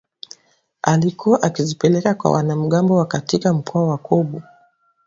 alikuwa akizipeleka kwa wanamgambo wa katika mkoa wa Kobu